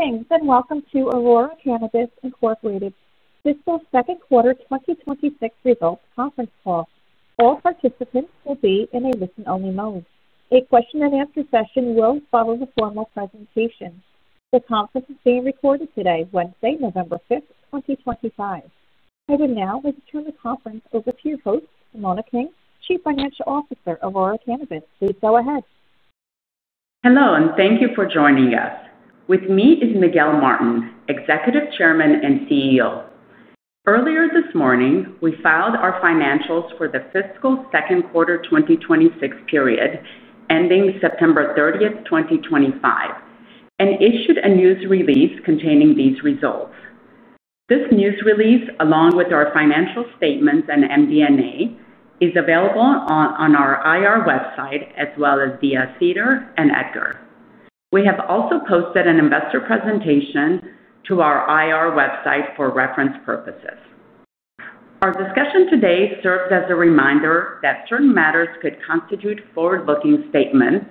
Greetings and welcome to Aurora Cannabis Fiscal Second Quarter 2026 Results Conference Call. All participants will be in a listen only mode. A question and answer session will follow the formal presentation. The conference is being recorded today, Wednesday, November 5th, 2025. I would now like to turn the conference over to your host, Simona King, Chief Financial Officer, Aurora Cannabis. Please go ahead. Hello and thank you for joining us. With me is Miguel Martin, Executive Chairman and CEO. Earlier this morning we filed our financials for the Fiscal Second Quarter 2026 period ending September 30th, 2025 and issued a news release containing these results. This news release, along with our financial statements and MD&A, is available on our IR website as well as via SEDAR and EDGAR. We have also posted an investor presentation to our IR website for reference purposes. Our discussion today serves as a reminder that certain matters could constitute forward-looking statements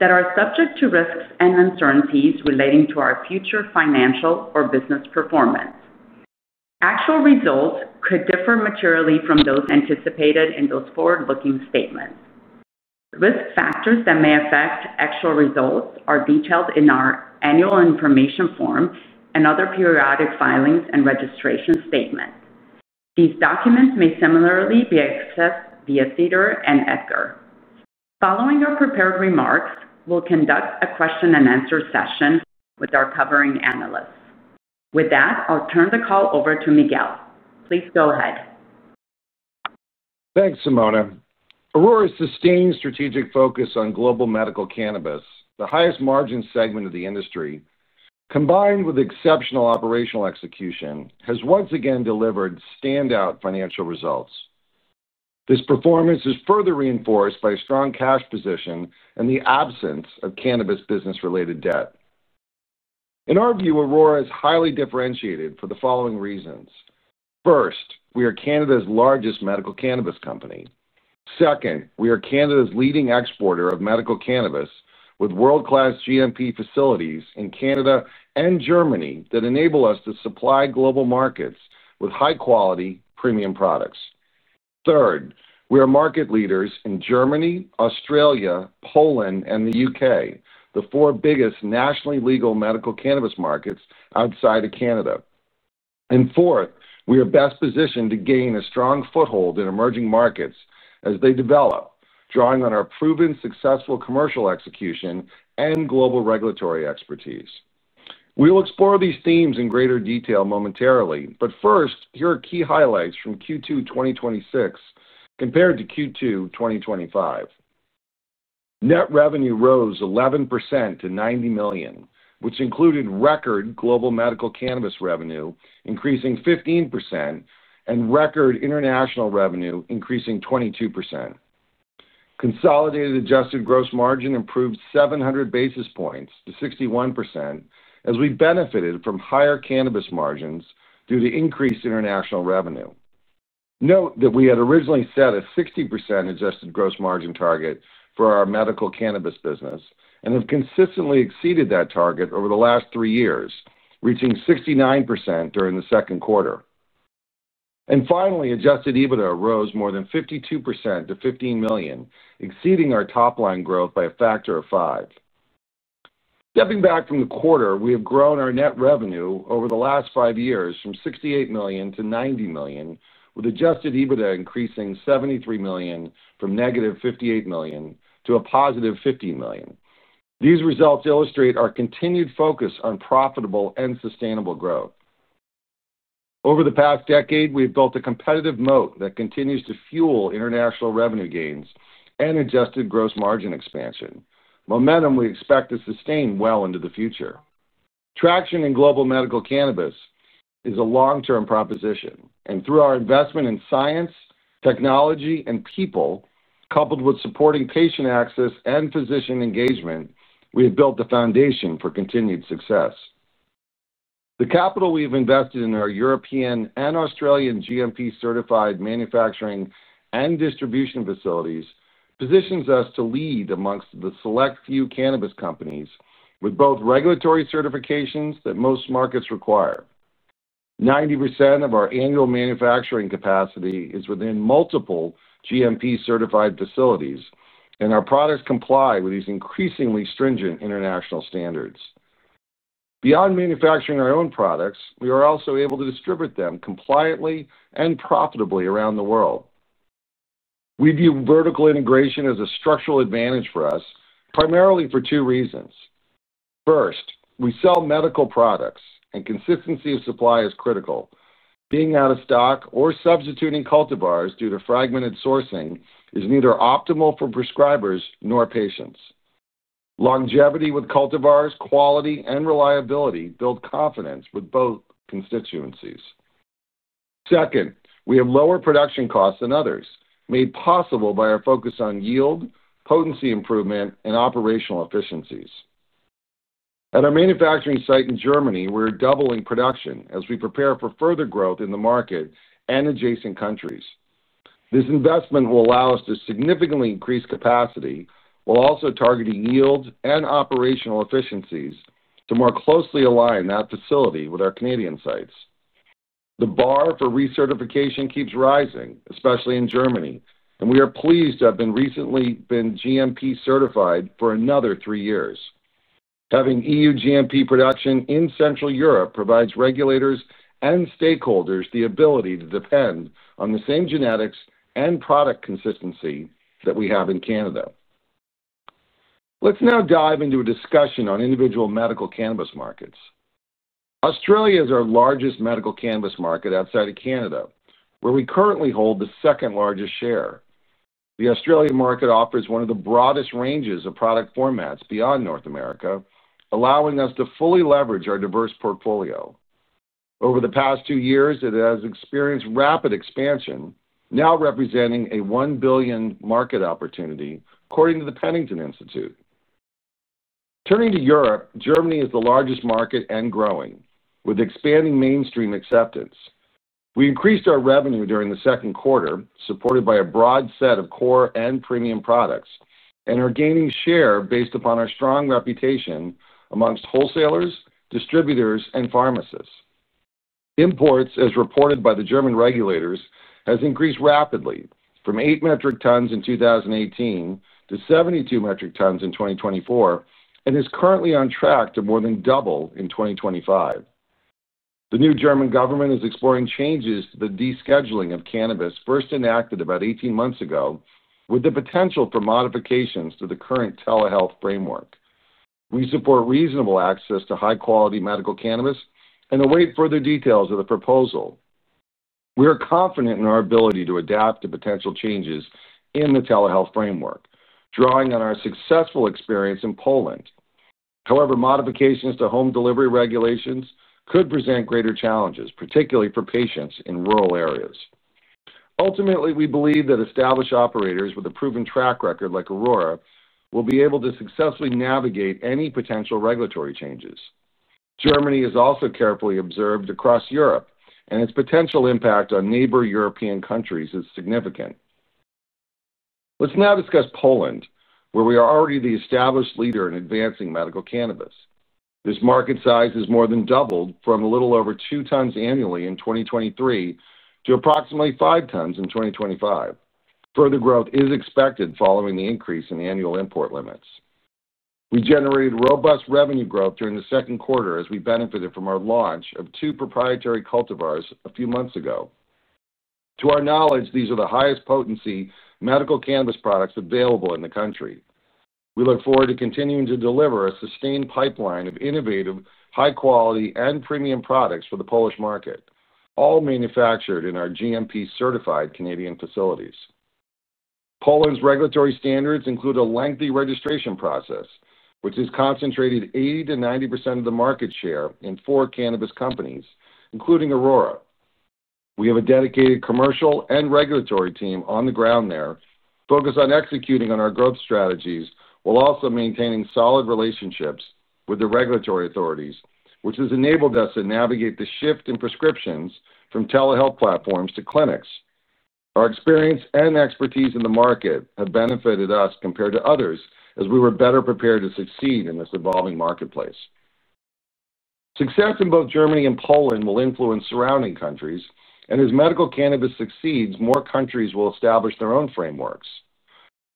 that are subject to risks and uncertainties relating to our future financial or business performance. Actual results could differ materially from those anticipated in those forward-looking statements. Risk factors that may affect actual results are detailed in our Annual Information Form and other periodic filings and registration statement. These documents may similarly be accessed via SEDAR and EDGAR. Following our prepared remarks, we'll conduct a question and answer session with our covering analysts. With that, I'll turn the call over to Miguel. Please go ahead. Thanks Simona. Aurora's sustained strategic focus on Global Medical Cannabis, the highest margin segment of the industry, combined with exceptional operational execution, has once again delivered standout financial results. This performance is further reinforced by a strong cash position and the absence of Cannabis business related debt. In our view, Aurora is highly differentiated for the following reasons. First, we are Canada's Largest Medical Cannabis Company. Second, we are Canada's leading exporter of Medical Cannabis with world class GMP facilities in Canada and Germany that enable us to supply global markets with high quality premium products. Third, we are market leaders in Germany, Australia, Poland, and the U.K., the four biggest nationally Legal Medical Cannabis markets outside of Canada. Fourth, we are best positioned to gain a strong foothold in emerging markets as they develop, drawing on our proven successful commercial execution and global regulatory expertise. We will explore these themes in greater detail momentarily. First, here are key highlights from Q2 2026 compared to Q2 2025. Net revenue rose 11% to $90 million, which included record Global Medical Cannabis revenue increasing 15% and record international revenue increasing 22%. Consolidated adjusted gross margin improved 700 basis points to 61% as we benefited from higher Cannabis margins due to increased international revenue. Note that we had originally set a 60% adjusted gross margin target for our Medical Cannabis business and have consistently exceeded that target over the last three years, reaching 69% during the 2nd quarter. Finally, adjusted EBITDA rose more than 52% to $15 million, exceeding our top line growth by a factor of five. Stepping back from the quarter, we have grown our net revenue over the last five years from $68 million-$90 million, with adjusted EBITDA increasing $73 million from -$58 million to a +$15 million. These results illustrate our continued focus on profitable and sustainable growth over the past decade. We've built a competitive moat that continues to fuel international revenue gains and adjusted gross margin expansion momentum we expect to sustain well into the future. Traction in Global Medical Cannabis is a long term proposition and through our investment in science and technology and people, coupled with supporting patient access and physician engagement, we have built the foundation for continued success. The capital we've invested in our European and Australian GMP certified manufacturing and distribution facilities positions us to lead amongst the select few Cannabis companies with both regulatory certifications that most markets require. 90% of our annual manufacturing capacity is within multiple GMP certified facilities and our products comply with these increasingly stringent international standards. Beyond manufacturing our own products, we are also able to distribute them compliantly and profitably around the world. We view vertical integration as a structural advantage for us primarily for two reasons. First, we sell medical products and consistency of supply is critical. Being out of stock or substituting Cultivars due to fragmented sourcing is neither optimal for prescribers nor patients. Longevity with Cultivars, quality and reliability build confidence with both constituencies. Second, we have lower production costs than others made possible by our focus on yield, potency, improvement and operational efficiencies. At our manufacturing site in Germany, we are doubling production as we prepare for further growth in the market and adjacent countries. This investment will allow us to significantly increase capacity while also targeting yield and operational efficiencies to more closely align that facility with our Canadian sites. The bar for recertification keeps rising, especially in Germany, and we are pleased to have recently been GMP certified for another three years. Having EU GMP production in Central Europe provides regulators and stakeholders the ability to depend on the same genetics and product consistency that we have in Canada. Let's now dive into a discussion on individual Medical Cannabis markets. Australia is our Largest Medical Cannabis market outside of Canada, where we currently hold the 2nd largest share. The Australian market offers one of the broadest ranges of product formats beyond North America, allowing us to fully leverage our diverse portfolio. Over the past two years it has experienced rapid expansion, now representing a $1 billion market opportunity, according to Prohibition Partners. Turning to Europe, Germany is the largest market and growing with expanding mainstream acceptance. We increased our revenue during the 2nd quarter supported by a broad set of core and premium products and are gaining share based upon our strong reputation amongst wholesalers, distributors and pharmacists. Imports, as reported by the German regulators, has increased rapidly from 8 metric tons in 2018 to 72 metric tons in 2024 and is currently on track to more than double in 2025. The new German government is exploring changes to the descheduling of Cannabis 1st enacted about 18 months ago, with the potential for modifications to the current Telehealth framework. We support reasonable access to High Quality Medical Cannabis and await further details of the proposal. We are confident in our ability to adapt to potential changes in the Telehealth framework, drawing on our successful experience in Poland. However, modifications to home delivery regulations could present greater challenges, particularly for patients in rural areas. Ultimately, we believe that established operators with a proven track record like Aurora will be able to successfully navigate any potential regulatory changes. Germany is also carefully observed across Europe and its potential impact on neighbor European countries is significant. Let's now discuss Poland where we are already the established leader in advancing Medical Cannabis. This market size has more than doubled from a little over 2 tons annually in 2023 to approximately 5 tons in 2025. Further growth is expected following the increase in annual import limits. We generated robust revenue growth during the second quarter as we benefited from our launch of two proprietary Cultivars a few months ago. To our knowledge, these are the highest potency Medical Cannabis products available in the country. We look forward to continuing to deliver a sustained pipeline of innovative, high quality and premium products for the Polish market, all manufactured in our GMP certified Canadian facilities. Poland's regulatory standards include a lengthy registration process which has concentrated 80-90% of the market share in four Cannabis companies including Aurora. We have a dedicated commercial and regulatory team on the ground there focused on executing on our growth strategies while also maintaining solid relationships with the regulatory authorities, which has enabled us to navigate the shift in prescriptions from Telehealth platforms to clinics. Our experience and expertise in the market have benefited us compared to others as we were better prepared to succeed in this evolving marketplace. Success in both Germany and Poland will influence surrounding countries and as Medical Cannabis succeeds, more countries will establish their own frameworks.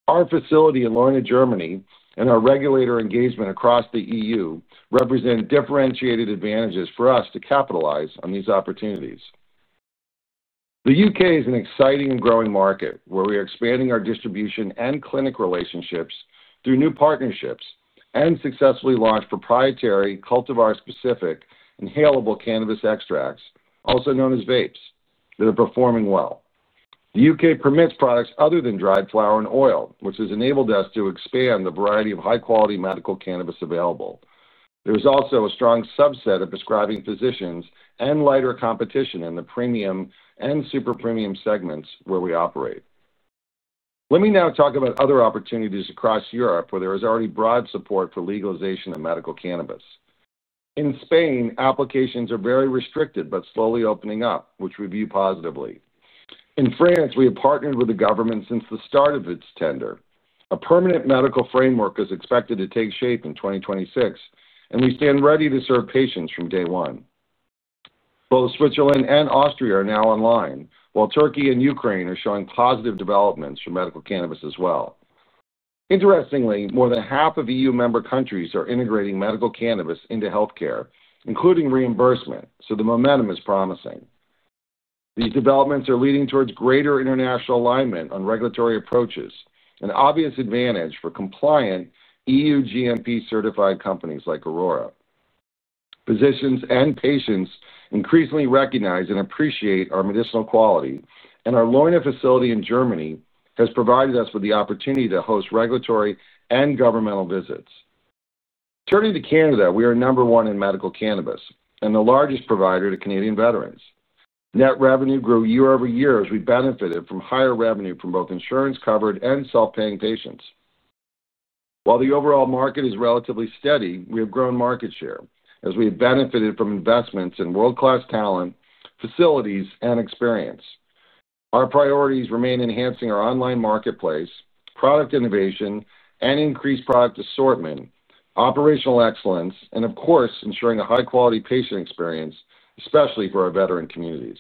Our facility in Leuna, Germany and our regulator engagement across the EU represent differentiated advantages for us to capitalize on these opportunities. The U.K. is an exciting and growing market where we are expanding our distribution and clinic relationships through new partnerships and successfully launched proprietary cultivar specific Inhalable Cannabis extracts, also known as Vapes, that are performing well. The U.K. permits products other than dried flower and oil which has enabled us to expand the variety of High Quality Medical Cannabis available. There is also a strong subset of prescribing physicians and lighter competition in the premium and super premium segments where we operate. Let me now talk about other opportunities across Europe where there is already broad support for Legalization of Medical Cannabis. In Spain applications are very restricted but slowly opening up which we view positively. In France we have partnered with the government since the start of its tender. A permanent medical framework is expected to take shape in 2026 and we stand ready to serve patients from day one. Both Switzerland and Austria are now online while Turkey and Ukraine are showing positive developments for Medical Cannabis as well. Interestingly, more than half of EU member countries are integrating Medical Cannabis into healthcare including reimbursement, so the momentum is promising. These developments are leading towards greater international alignment on regulatory approaches, an obvious advantage for compliant EU GMP certified companies like Aurora. Physicians and patients increasingly recognize and appreciate our medicinal quality and our Leuna facility in Germany has provided us with the opportunity to host regulatory and governmental visits. Turning to Canada, we are number one in Medical Cannabis and the largest provider to Canadian veterans. Net revenue grew year-over-year as we benefited from higher revenue from both insurance covered and self paying patients. While the overall market is relatively steady, we have grown market share as we have benefited from investments in world class talent, facilities, and experience. Our priorities remain enhancing our online marketplace, product innovation and increased product assortment, operational excellence, and of course ensuring a high quality patient experience especially for our veteran communities.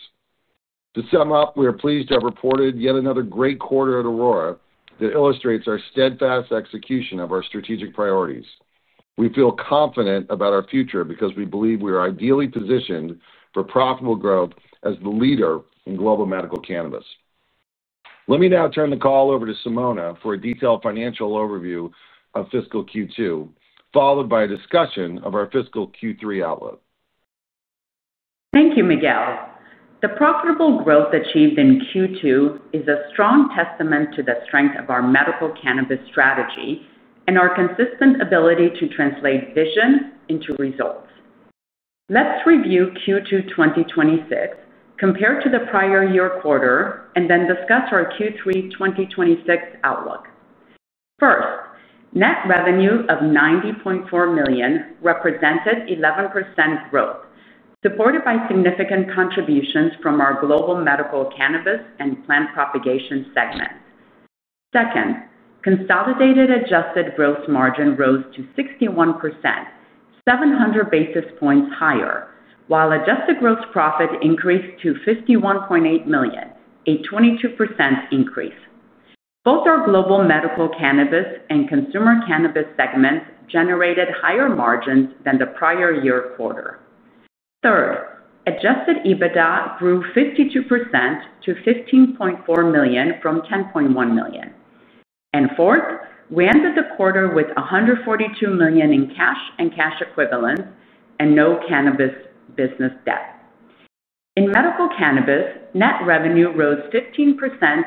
To sum up, we are pleased to have reported yet another great quarter at Aurora that illustrates our steadfast execution of our strategic priorities. We feel confident about our future because we believe we are ideally positioned for profitable growth as the leader in Global Medical Cannabis. Let me now turn the call over to Simona for a detailed financial overview of fiscal Q2 followed by a discussion of our fiscal Q3 outlook. Thank you Miguel. The profitable growth achieved in Q2 is a strong testament to the strength of our Medical Cannabis strategy and our consistent ability to translate vision into results. Let's review Q2 2026 compared to the prior year quarter and then discuss our Q3 2026 outlook first. Net revenue of $90.4 million represented 11% growth supported by significant contributions from our Global Medical Cannabis and plant propagation segment. Second, consolidated adjusted gross margin rose to 61%, 700 basis points higher while adjusted gross profit increased to $51.8 million, a 22% increase. Both our Global Medical Cannabis and consumer Cannabis segments generated higher margins than the prior year quarter. Third, adjusted EBITDA grew 52% to $15.4 million from $10.1 million and fourth, we ended the quarter with $142 million in cash and cash equivalents and no Cannabis business debt. In Medical Cannabis, net revenue rose 15%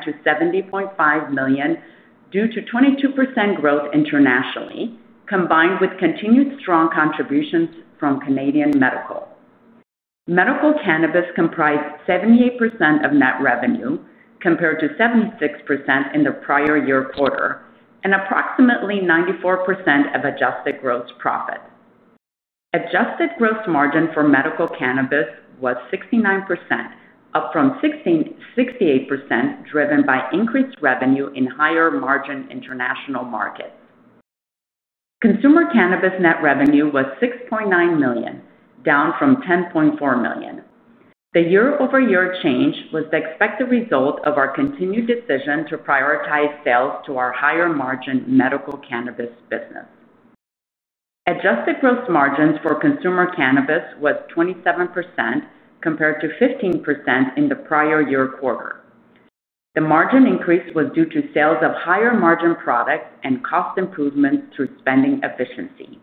to $70.5 million due to 22% growth internationally combined with continued strong contributions from Canadian medical. Medical Cannabis comprised 78% of net revenue compared to 76% in the prior year quarter and approximately 94% of adjusted gross profit. Adjusted gross margin for Medical Cannabis was 69%, up from 68%, driven by increased revenue in higher margin international markets. Consumer Cannabis net revenue was $6.9 million, down from $10.4 million. The year-over-year change was the expected result of our continued decision to prioritize sales to our higher margin Medical Cannabis business. Adjusted gross margins for Consumer Cannabis was 27% compared to 15% in the prior year quarter. The margin increase was due to sales of higher margin products and cost improvements through spending efficiency.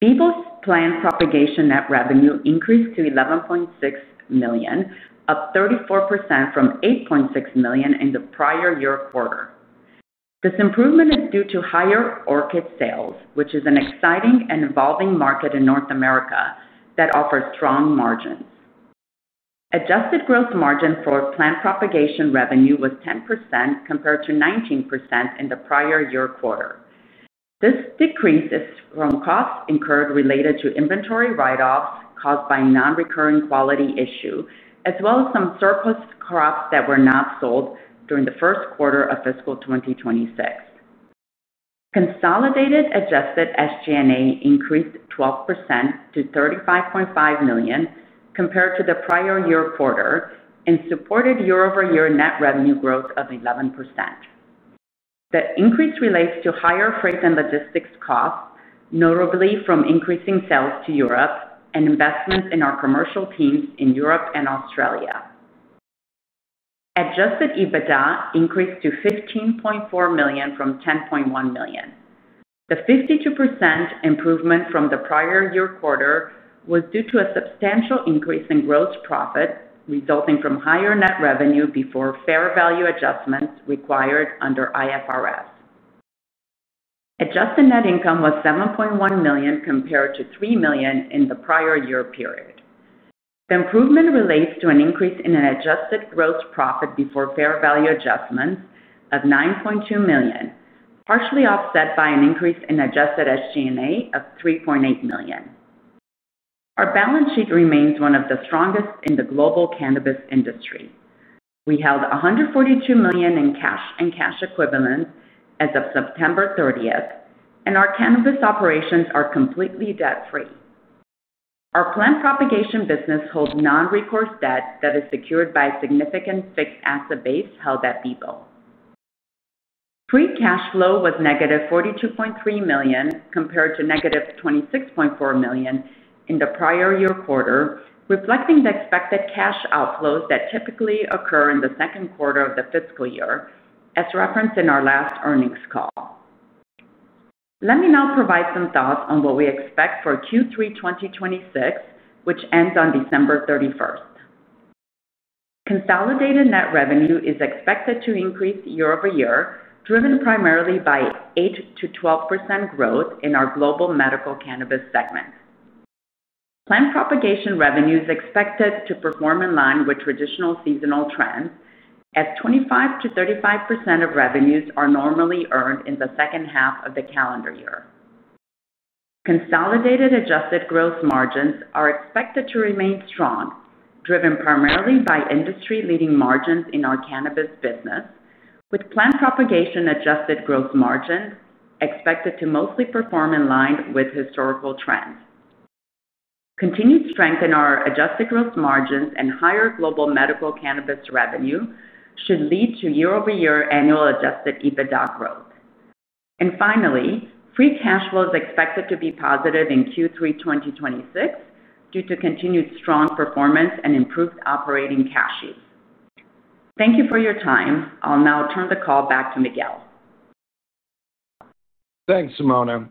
Bevo's Plant Propagation net revenue increased to $11.6 million, up 34% from $8.6 million in the prior year quarter. This improvement is due to higher orchid sales, which is an exciting and evolving market in North America that offers strong margins. Adjusted gross margin for plant propagation revenue was 10% compared to 19% in the prior year quarter. This decrease is from costs incurred related to inventory write-offs caused by a non-recurring quality issue as well as some surplus crops that were not sold during the 1st quarter of fiscal 2026. Consolidated adjusted SG&A increased 12% to $35.5 million compared to the prior year quarter and supported year-over-year net revenue growth of 11%. The increase relates to higher freight and logistics costs, notably from increasing sales to Europe and investments in our commercial teams in Europe and Australia. Adjusted EBITDA increased to $15.4 million from $10.1 million. The 52% improvement from the prior year quarter was due to a substantial increase in gross profit resulting from higher net revenue before fair value adjustments required under IFRS. Adjusted net income was $7.1 million compared to $3 million in the prior year period. The improvement relates to an increase in an adjusted gross profit before fair value adjustments of $9.2 million partially offset by an increase in adjusted SG&A of $3.8 million. Our balance sheet remains one of the strongest in the Global Cannabis industry. We held $142 million in cash and cash equivalents as of September 30th and our Cannabis operations are completely debt free. Our plant propagation business holds non recourse debt that is secured by a significant fixed asset base held at Bevo. Free cash flow was -$42.3 million compared to -$26.4 million in the prior year quarter, reflecting the expected cash outflows that typically occur in the 2nd quarter of the fiscal year as referenced in our last earnings call. Let me now provide some thoughts on what we expect for Q3 2026, which ends on December 31st. Consolidated net revenue is expected to increase year-over-year, driven primarily by 8-12% growth in our Global Medical Cannabis segment. Plant propagation revenue is expected to perform in line with traditional seasonal trends, as 25-35% of revenues are normally earned in the 2nd half of the calendar year. Consolidated adjusted gross margins are expected to remain strong, driven primarily by industry leading margins in our Cannabis business, with plant propagation adjusted gross margin expected to mostly perform in line with historical trends. Continued strength in our adjusted gross margins and higher Global Medical Cannabis revenue growth should lead to year-over-year annual adjusted EBITDA growth, and finally, free cash flow is expected to be positive in Q3 2026 due to continued strong performance and improved operating cash use. Thank you for your time. I'll now turn the call back to Miguel. Thanks, Simona.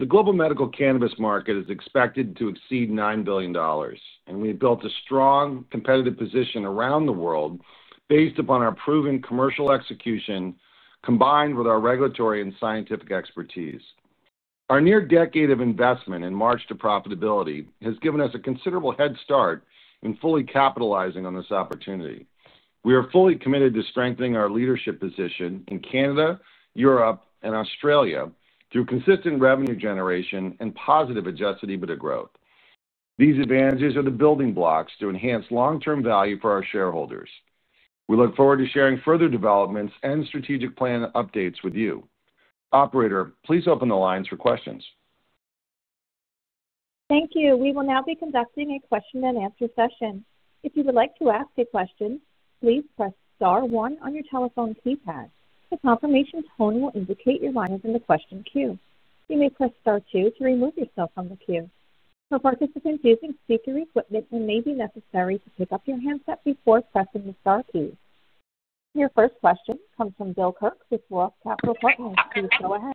The Global Medical Cannabis market is expected to exceed $9 billion, and we have built a strong competitive position around that. World based upon our proven commercial combined. With our regulatory and scientific expertise, our near decade of investment in March to profitability has given us a considerable head start in fully capitalizing on this opportunity. We are fully committed to strengthening our leadership position in Canada, Europe, and Australia through consistent revenue generation and positive adjusted EBITDA growth. These advantages are the building blocks to enhance long-term value for our shareholders. We look forward to sharing further developments and strategic plan updates with you. Operator, please open the lines for questions. Thank you. We will now be conducting a question and answer session. If you would like to ask a question, please press Star one on your telephone keypad. The confirmation tone will indicate your line is in the question queue. You may press Star two to remove yourself from the queue. For participants using speaker equipment, it may be necessary to pick up your handset before pressing the star key. Your first question comes from Bill Kirk with ROTH Capital Partners. Please go ahead.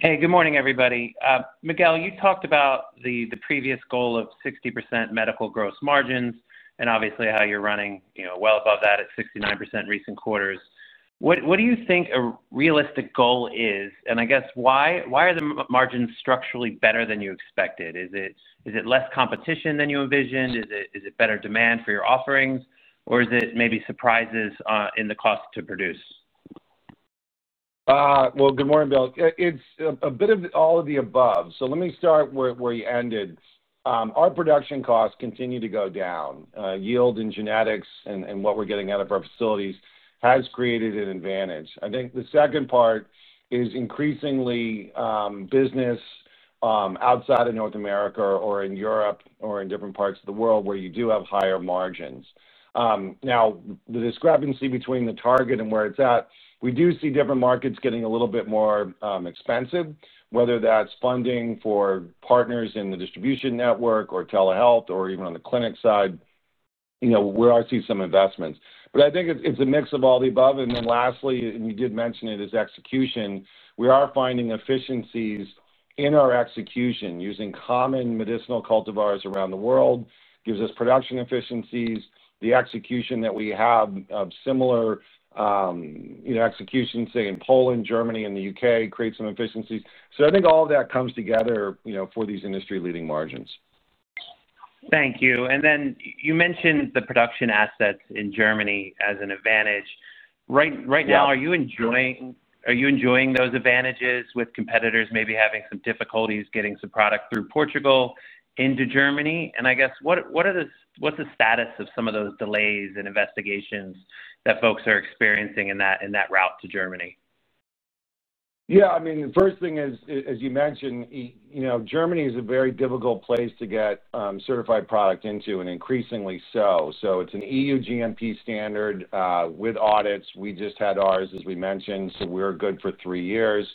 Hey, good morning everybody. Miguel, you talked about the previous goal of 60% medical gross margins and obviously how you're running well above that at 69% recent quarters. What do you think a realistic goal is, and I guess why are the margins structurally better than you expected? Is it less competition than you envisioned? Is it better demand for your offerings? Or is it maybe surprises in the cost to produce? Good morning Bill. It's a bit of all of the above. Let me start where you ended. Our production costs continue to go down. Yield in genetics and what we're getting out of our facilities has created an advantage. I think the second part is increasingly business outside of North America or in. Europe or in different parts of the. World where you do have higher margins. Now, the discrepancy between the target and where it's at, we do see different markets getting a little bit more expensive, whether that's funding for partners in the distribution network or Telehealth or even on the clinic side where I see some investments. I think it's a mix of all the above. Lastly, and you did mention it as execution, we are finding efficiencies in our execution. Using Common Medicinal Cultivars around the world gives us production efficiencies. The execution that we have, similar execution say in Poland, Germany, and the U.K., creates some efficiencies. I think all that comes together. For these industry leading margins. Thank you. You mentioned the production assets in Germany as an advantage right now. Are you enjoying those advantages with competitors maybe having some difficulties getting some product through Portugal into Germany? I guess what's the status of some of those delays and investigations that folks are experiencing in that route to Germany? Yeah, I mean the first thing is. As you mentioned, Germany is a very difficult place to get certified product into and increasingly so. It is an EU GMP standard with audits. We just had ours as we mentioned, so we're good for three years.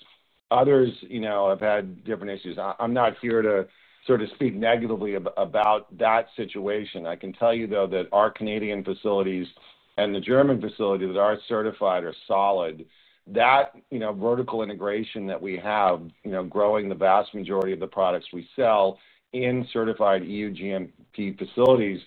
Others have had different issues. I'm not here to sort of speak negatively about that situation. I can tell you though that our Canadian facilities and the German facilities that are certified are solid. That vertical integration that we have growing the vast majority of the products we sell in certified EU GMP facilities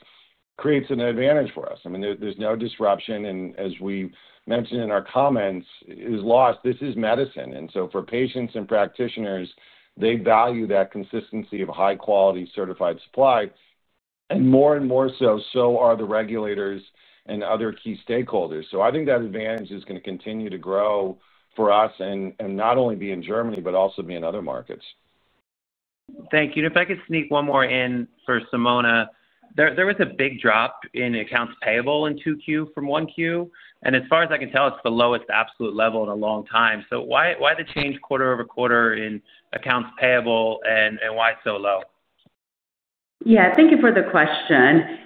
creates an advantage for us. There's no disruption and as we mentioned in our comments, is lost. This is medicine for patients and practitioners. They value that consistency of high quality certified supply and more and more so so are the regulators and other key stakeholders. I think that advantage is going to continue to grow for us and not only be in Germany, but also be in other markets. Thank you. If I could sneak one more in for Simona. There was a big drop in accounts payable in 2Q from 1Q. As far as I can tell, it's the lowest absolute level in a long time. Why the change quarter over quarter in accounts payable and why so low? Yeah, thank you for the question.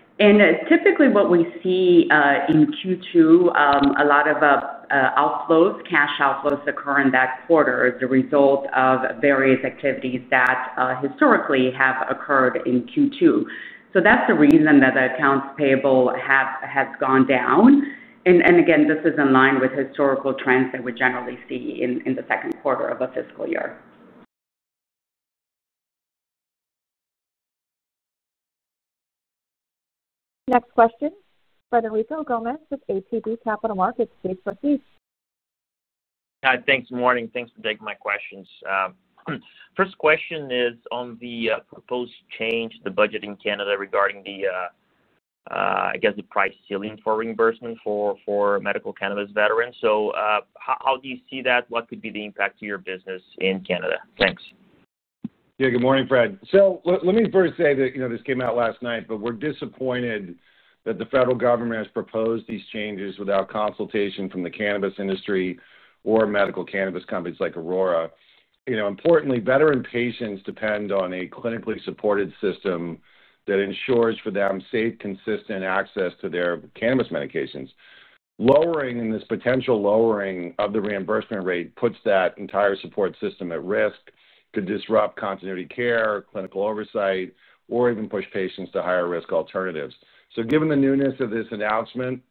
Typically, what we see in Q2, a lot of outflows, cash outflows occur in that quarter as a result of various activities that historically have occurred in Q2. That is the reason that the accounts payable has gone down. Again, this is in line with historical trends that we generally see in the 2nd quarter of a fiscal year. Next question. Frederico Gomes with ATB Capital Markets. Please proceed. Hi, thanks. Morning. Thanks for taking my questions. First question is on the proposed change to the budget in Canada regarding the, I guess, the price ceiling for reimbursement for Medical Cannabis veterans. How do you see that? What could the impact to your business in Canada? Thanks. Yeah, good morning, Fred. Let me first say that, you. Know, this came out last night, but. We're disappointed that the federal government has. Proposed these changes without consultation from the Cannabis Industry or Medical Cannabis companies like Aurora. You know, importantly, veteran patients depend on a clinically supported system that ensures for them safe, consistent access to their Cannabis medications. Lowering and this potential lowering of the. Reimbursement rate puts that entire support system at risk, could disrupt continuity care, clinical oversight, or even push patients to higher risk alternatives. Given the newness of this announcement.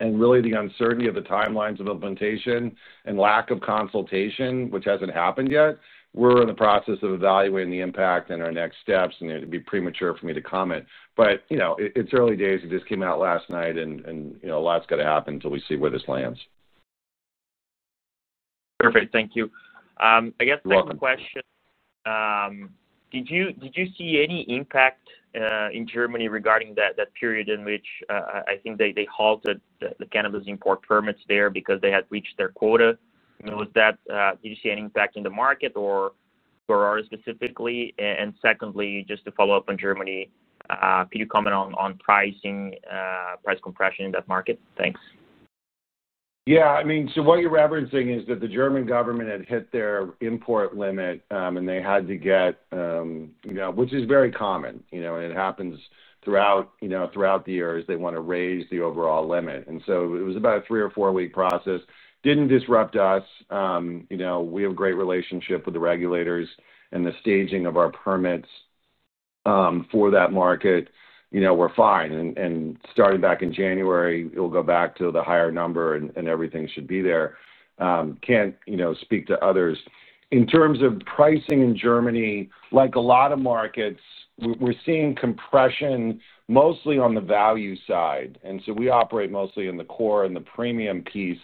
Really the uncertainty of the timelines of implementation and lack of consultation, which. Hasn't happened yet, we're in the process. Of evaluating the impact in our next steps and it would be premature for me to comment on, but it's early days. It just came out last night and a lot's got to happen until we. See where this lands. Perfect. Thank you. I guess one question. Did you see any impact in Germany regarding that period in which I think they halted the Cannabis import permits there because they had reached their quota? Did you see any impact in the market or specifically? Secondly, just to follow up on Germany, could you comment on pricing, price compression in that market? Thanks. Yeah, I mean, so what you're referencing. Is that the German government had hit their import limit, and they had to get. Which is very common. It happens throughout the years. They want to raise the overall limit. It was about a three or four week process. It did not disrupt us. We have a great relationship with the regulators and the staging of our permits for that market, we are fine. Starting back in January it will go back to the higher number and everything should be there. Can't speak to others in terms of. Pricing in Germany, like a lot of markets, we're seeing compression mostly on the value side. We operate mostly in the core and the premium piece.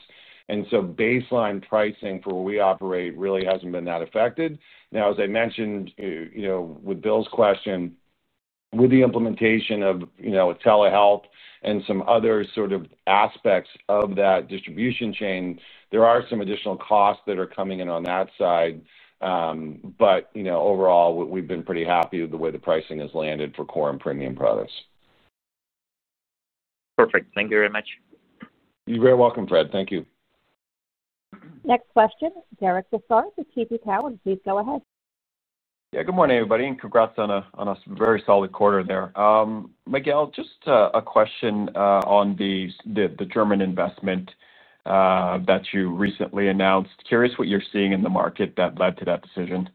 Baseline pricing for where we operate really hasn't been that affected. As I mentioned with Bill's question, with the implementation of Telehealth and some other sort of aspects of that distribution chain, there are some additional costs that are coming in on that side. Overall we've been pretty happy with the way the pricing has landed for core and premium products. Perfect. Thank you very much. You're very welcome, Fred. Thank you. Next question. Derek Lessard, TD Cowen, please. Go ahead. Yeah, good morning everybody and congrats on a very solid quarter there. Miguel, just a question on the German investment that you recently announced. Curious what you're seeing in the market that led to that decision.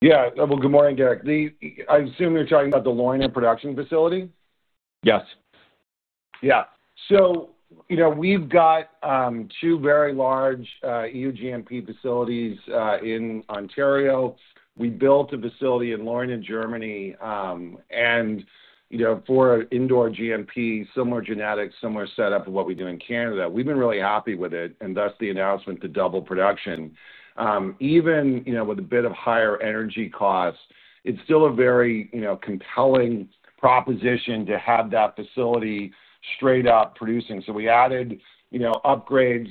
Yeah, good morning, Derek. I assume you're talking about the Leuna and production facility. Yes. Yeah. We've got two very large EU GMP facilities in Ontario. We built a facility in Leuna, Germany and for Indoor GMP, similar genetics, similar setup of what we do in Canada. We've been really happy with it, thus the announcement to double production. Even with a bit of higher energy costs, it's still a very compelling proposition to have that facility straight up producing. We added upgrades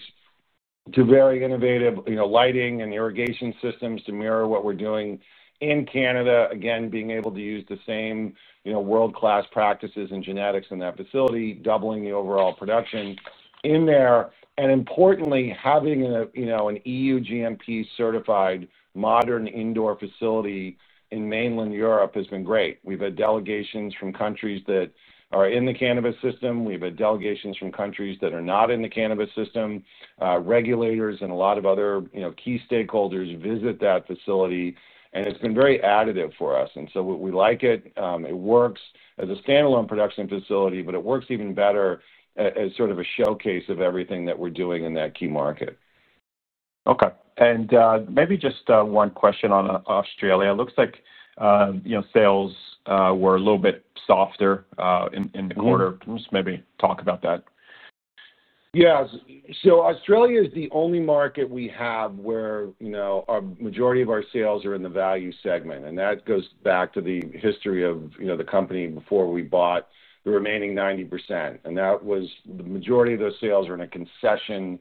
to very innovative lighting and irrigation systems to mirror what we're doing in Canada. Again, being able to use the same world-class practices and genetics in that facility, doubling the overall production in there. Importantly, having an EU GMP certified modern indoor facility in mainland Europe has been great. We've had delegations from countries that are in the Cannabis System, we've had delegations from countries that are not in the Cannabis System. Regulators and a lot of other key stakeholders visit that facility and it's been very additive for us and so we like it. It works as a Standalone Production Facility, but it works even better as sort of a showcase of everything that we're doing in that key market. Okay, and maybe just one question on Australia. It looks like sales were a little bit softer in the quarter. Maybe talk about that. Yes. Australia is the only market we. Have where a majority of our sales are in the value segment. That goes back to the history of the company before we bought the remaining 90% and that was the majority of those sales are in a concession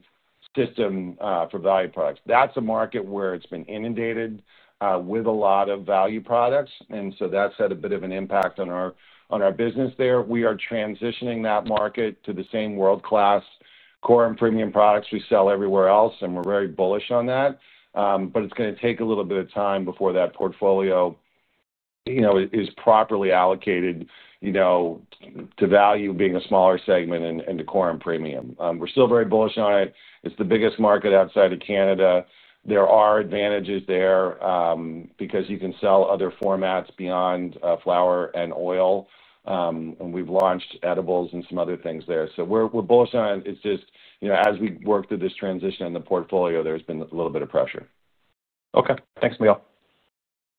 system for value products. That is a market where it has been inundated with a lot of value products. That has had a bit of an impact on our business there. We are transitioning that market to the same world class core and premium products we sell everywhere else. We are very bullish on that. It is going to take a little bit of time before that portfolio is properly allocated to value being a smaller segment and to core and premium. We are still very bullish on it. It is the biggest market outside of. There are advantages there because you can sell other formats beyond flower and oil. We've launched edibles and some other things there. We're bullish on it. It's just as we work through this transition in the portfolio, there's been a. Little bit of pressure. Okay, thanks, Miguel.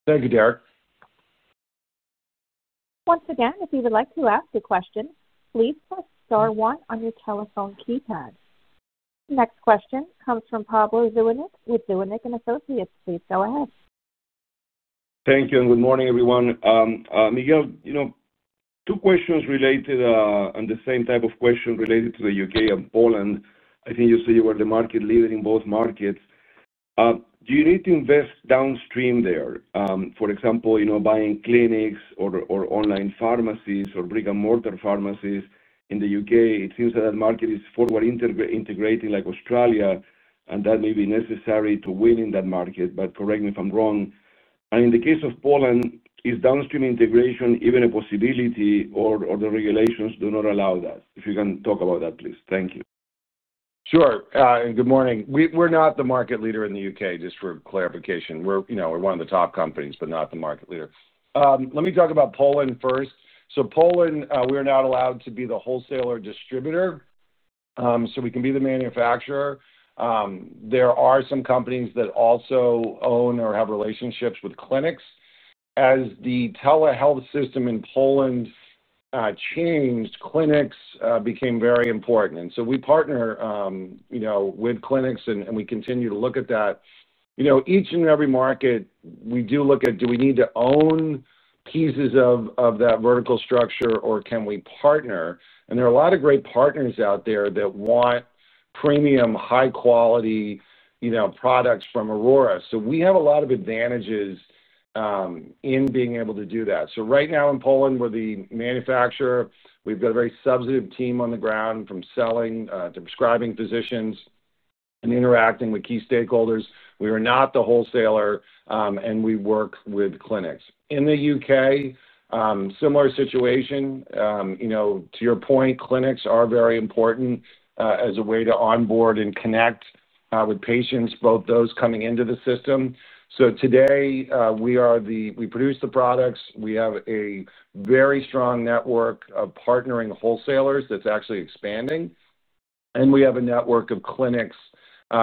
Thank you, Derek. Once again, if you would like to ask a question, please press Star one on your telephone keypad. Next question comes from Pablo Zuanic with Zuanic & Associates. Please go ahead. Thank you and good morning everyone. Miguel, you know, two questions related and the same type of question related to the U.K. and Poland. I think you said you were the market leader in both markets. Do you need to invest downstream there, for example, you know, buying clinics or Online Pharmacies or Brick-and-Mortar Pharmacies in the U.K.? It seems that that market is forward integrating like Australia, and that may be necessary to win in that market. Correct me if I'm wrong, and in the case of Poland, is downstream integration even a possibility or do the regulations not allow that? If you can talk about that, please, thank you. Sure. Good morning. We're not the market leader in the U.K. Just for clarification, we're one of the top companies, but not the market leader. Let me talk about Poland first. Poland, we're not allowed to be the wholesaler, distributor, so we can be the manufacturer. There are some companies that also own. Or have relationships with clinics. As the Telehealth System in Poland changed, clinics became very important. We partner with clinics and we continue to look at that. You know, each and every market we. Do look at, do we need to own pieces of that vertical structure or can we partner? There are a lot of great. Partners out there that want premium, high quality products from Aurora. We have a lot of advantages. In being able to do that. Right now in Poland, we're the manufacturer. We've got a very substantive team on the ground from selling to prescribing, physicians and interacting with key stakeholders. We are not the wholesaler and we work with clinics. In the U.K., similar situation. You know, to your point, clinics are very important as a way to onboard and connect with patients, both those coming into the system. Today we are the, we produce the products. We have a very strong network of partnering wholesalers that's actually expanding and we have a network of clinics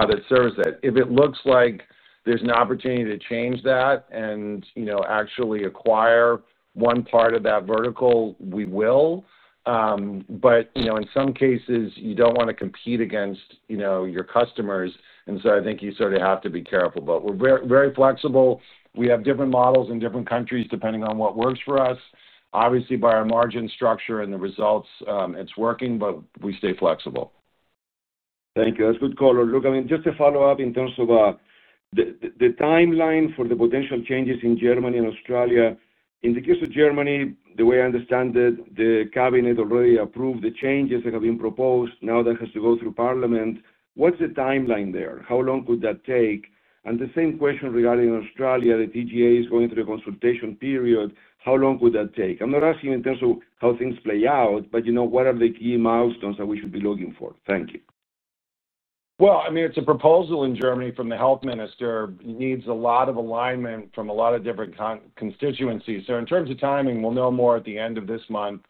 that serves it. If it looks like there's an opportunity. To change that and actually acquire one part of that vertical, we will. In some cases you do not want to compete against your customers and so I think you sort of have to be careful. We're very flexible. We have different models in different countries depending on what works for us, obviously by our margin structure and the results working, but we stay flexible. Thank you. That's good caller. Look, I mean just a follow up in terms of the timeline for the potential changes in Germany and Australia. In the case of Germany, the way I understand it, the cabinet already approved the changes that have been proposed. Now that has to go through Parliament. What's the timeline there? How long could that take? The same question regarding Australia, the TGA is going through the consultation period. How long would that take? I'm not asking in terms of how things play out, but you know, what are the key milestones that we should be looking for? Thank you. I mean it's a proposal in. Germany from the health minister needs a lot of alignment from a lot of different constituencies. In terms of timing, we'll know more at the end of this month.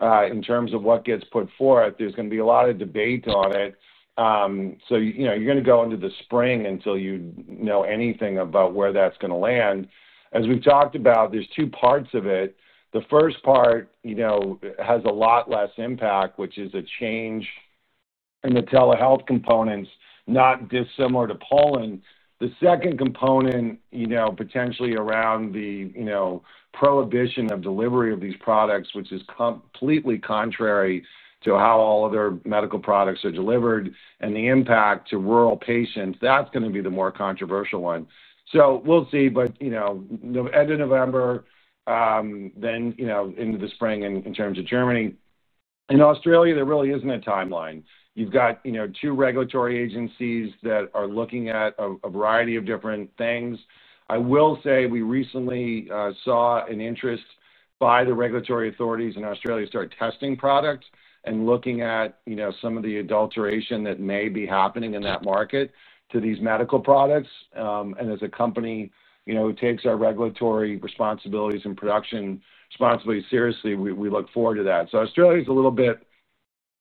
In terms of what gets put forth, there's going to be a lot of debate on it. You're going to go into the spring until you know anything about where that's going to land. As we talked about, there's two parts of it. The 1st part has a lot less impact, which is a change in the Telehealth components not dissimilar to Poland. The 2nd component potentially around the prohibition of delivery of these products, which is completely contrary to how all other medical products are delivered and the impact to rural patients. That's going to be the more controversial one. We'll see. End of November, then into the. Spring in terms of Germany, in Australia. There really isn't a timeline. You've got two regulatory agencies that are looking at a variety of different things. I will say we recently saw an interest by the regulatory authorities in Australia start testing products and looking at some of the adulteration that may be happening in that market to these medical products. As a company who takes our. Regulatory responsibilities and production responsibilities seriously, we look forward to that. Australia is a little bit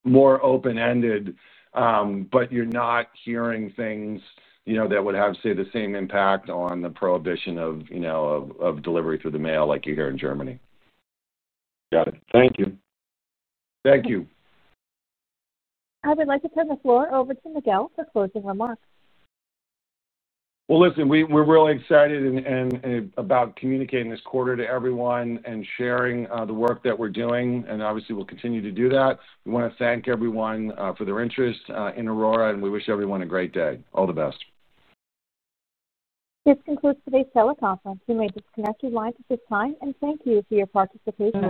more. Open ended, but you're not hearing things that would have, say, the same impact on the prohibition of delivery through the mail like you hear in Germany. Got it. Thank you. Thank you. I would like to turn the floor over to Miguel for closing remarks. We're really excited about communicating this quarter to everyone and sharing the work that we're doing and obviously we'll continue to do that. We want to thank everyone for their interest in Aurora and we wish everyone a great day. All the best. This concludes today's teleconference. You may disconnect your lines at this time and thank you for your participation.